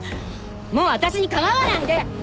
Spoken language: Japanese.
もう私に構わないで！